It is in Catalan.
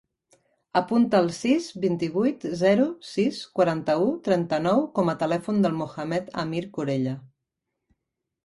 Apunta el sis, vint-i-vuit, zero, sis, quaranta-u, trenta-nou com a telèfon del Mohamed amir Corella.